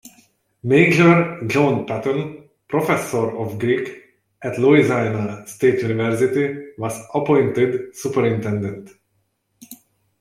Major John Patton, professor of Greek at Louisiana State University, was appointed superintendent.